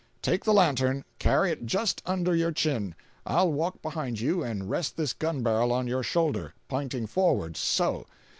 Take the lantern. Carry it just under your chin. I'll walk behind you and rest this gun barrel on your shoulder, p'inting forward—so.